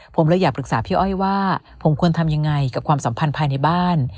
ผมเลยอยากปรึกษาพี่อ้อยว่าผมควรทำยังไงกับความสัมพันธ์ภายในบ้าน